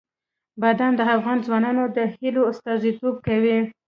بادام د افغان ځوانانو د هیلو استازیتوب کوي.